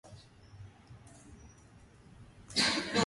Così Chyna, Olive.